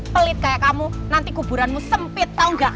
pelit kayak kamu nanti kuburanmu sempit tau gak